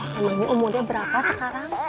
makanannya umurnya berapa sekarang